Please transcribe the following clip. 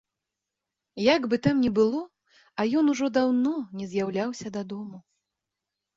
Як бы там ні было, а ён ужо даўно не з'яўляўся дадому.